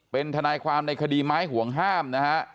เป็นทนายความในคดีไม้ห่วงห้ามนะฮะ